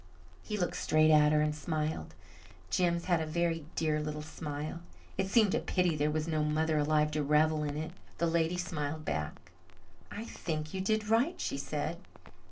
He looked straight at her and smiled. Jims had a very dear little smile. It seemed a pity there was no mother alive to revel in it. The lady smiled back. "I think you did right," she said.